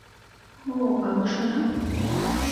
অও, বাবু সোনা।